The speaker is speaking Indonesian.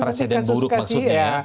presiden buruk maksudnya ya